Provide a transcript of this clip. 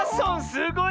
すごい。